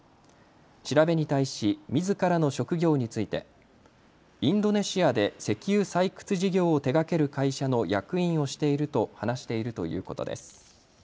調べに対しみずからの職業についてインドネシアで石油採掘事業を手がける会社の役員をしていると話しているということです。